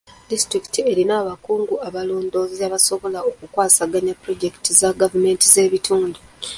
Disitulikiti erina abakugu n'abalondoozi abasobola okukwasaganya puloojekiti za gavumenti z'ebitundu.